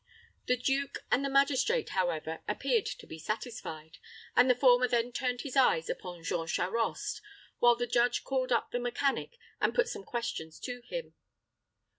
The duke and the magistrate, however, appeared to be satisfied, and the former then turned his eyes upon Jean Charost, while the judge called up the mechanic and put some questions to him.